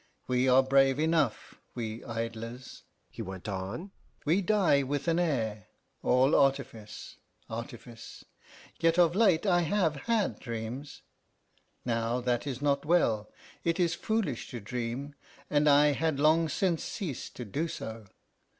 We are brave enough, we idlers," he went on; "we die with an air all artifice, artifice!... Yet of late I have had dreams. Now that is not well. It is foolish to dream, and I had long since ceased to do so.